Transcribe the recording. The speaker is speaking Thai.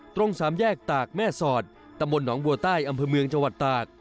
ตรงสามแยกตากแม่สอดตำบลหนองบัวใต้อำเภอเมืองจังหวัดตาก